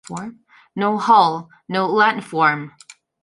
No hole, no landform.